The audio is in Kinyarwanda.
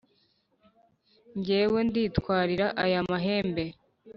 njyewe nditwarira aya mahembe,